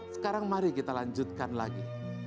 sekarang mari kita lanjutkan lagi